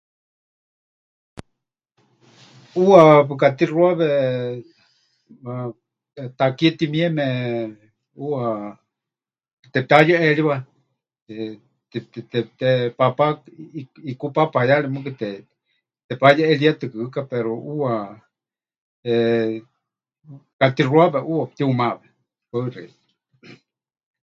ʼUuwa pɨkatixuawe, eh, takie timieme, ʼuuwa tepɨtehayeʼeriwa, eh, te... te... te... te... paapá, ʼik... ʼik... ʼik... ʼikú paapayari mɨɨkɨ te... tepayeʼeríetɨkɨka pero ʼuuwa, eh, pɨkatixuawe ʼuuwa, pɨtiumawe. Paɨ xeikɨ́a, ejem.